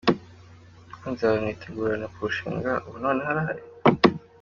com: Umukunzi wawe mwitegurana kurushinga ubu noneho arahari?.